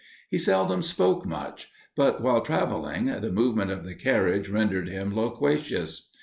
He seldom spoke much; but while travelling, the movement of the carriage rendered him loquacious.